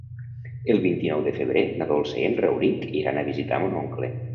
El vint-i-nou de febrer na Dolça i en Rauric iran a visitar mon oncle.